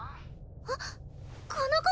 あっこの声！